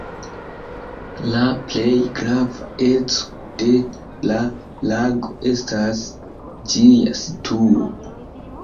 La plej grava eco de la lago estas ĝia situo.